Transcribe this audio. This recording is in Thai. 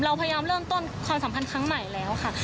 เราพยายามเริ่มต้นความสัมพันธ์ครั้งใหม่แล้วค่ะ